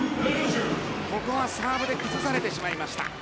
ここはサーブで崩されてしまいました。